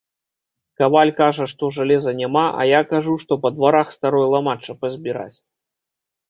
Каваль кажа, што жалеза няма, а я кажу, што па дварах старое ламачча пазбіраць.